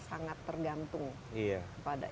sangat tergantung kepada